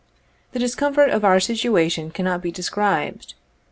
The discomfort of our situation cannot be described.